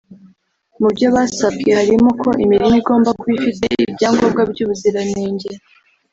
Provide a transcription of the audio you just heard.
Mu byo basabwe harimo ko imirima igomba kuba ifite ibyangombwa by’ubuziranenge